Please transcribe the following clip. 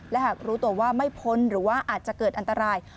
และหากรู้ตัวว่าไม่พ้นหรือว่าอาจจะเกิดอันตราย